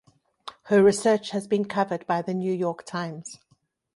Her research has been covered by The New York Times.